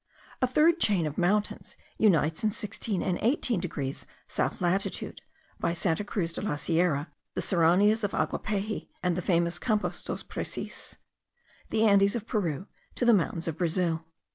A third chain of mountains unites in 16 and 18 degrees south latitude (by Santa Cruz de la Sierra, the Serranias of Aguapehy, and the famous Campos dos Parecis) the Andes of Peru, to the mountains of Brazil.